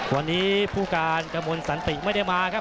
วันนี้ผู้การกระมวลสันติไม่ได้มาครับ